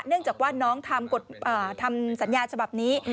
เนื่องจากว่าน้องทำสัญญาฉบับนี้